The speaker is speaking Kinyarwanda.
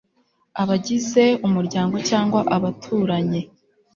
abagize umuryango cyangwa abaturanyi